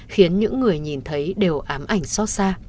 khiến những người nhìn thấy đều ám ảnh suốt